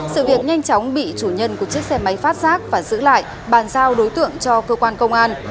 sự việc nhanh chóng bị chủ nhân của chiếc xe máy phát giác và giữ lại bàn giao đối tượng cho cơ quan công an